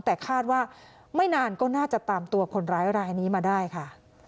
แต่คาดว่าไม่นานก็น่าจะตามตัวคนร้ายรายนี้มาได้ค่ะ